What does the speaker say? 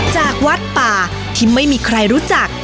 จากวัดป่าที่ไม่มีใครรู้จัก